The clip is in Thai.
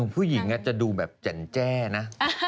ผู้หญิงจะดูแบบแจ่นะ